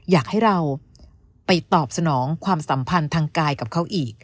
อยากให้เราไปตอบสนองความสัมพันธ์ทางกายกับเขาอีก